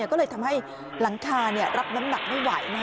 ก็เลยทำให้หลังคารับน้ำหนักไม่ไหว